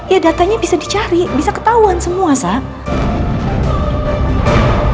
ya datanya bisa dicari bisa ketahuan semua sah